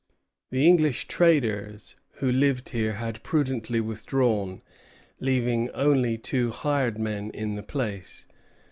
The English traders who lived here had prudently withdrawn, leaving only two hired men in the place.